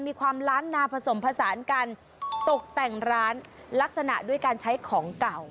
มีความล้านนาผสมผสานกันตกแต่งร้านลักษณะด้วยการใช้ของเก่า